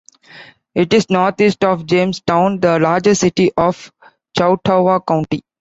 It is northeast of Jamestown, the largest city in Chautauqua County.